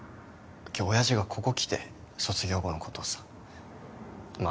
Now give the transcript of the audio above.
今日親父がここ来て卒業後のことをさまあ